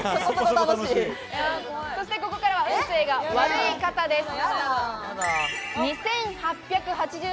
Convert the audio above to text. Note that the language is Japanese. そして、ここからは運勢が悪い方です。